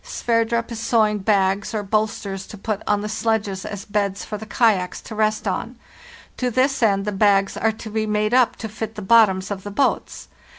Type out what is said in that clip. Sverdrup is sewing bags or bolsters to put on the sledges as beds for the kayaks to rest on. To this end the bags are to be made up to fit the bottoms of the boats.